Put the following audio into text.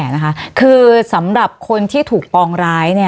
คือสำหรับคนที่ถูกปองร้าย